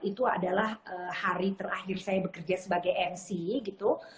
itu adalah hari terakhir saya bekerja sebagai mc gitu